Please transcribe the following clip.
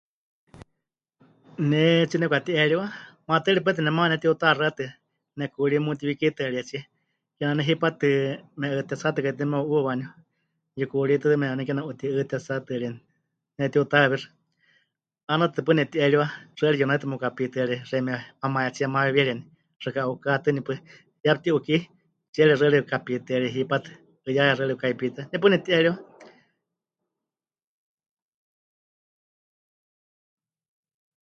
Ne 'aatsí nepɨkati'eriwa, maatɨari pai tɨ nemaama pɨnetiutaxatɨa, nekuurí mutiwikitɨarietsíe, kename waaníu hipátɨ me'ɨɨtetsatɨkaitɨ meu'uuwa waníu, yukuuritɨme tɨtɨ waníu kename 'uti'ɨɨtetsatɨarieni pɨnetiutahɨawíxɨ, 'aana tɨtɨ paɨ nepɨti'eriwa, xɨari yunaitɨ mepɨkapitɨárie xeíme mamayatsíe mawiwíereni, xɨka 'ukátɨni pues, ya tɨni 'ukí, tsiere xɨari mepɨkapitɨárie hipátɨ, 'ɨyaya xɨari pɨka'ipitɨa, ne paɨ nepɨti'eriwa.